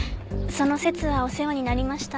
その節はお世話になりました。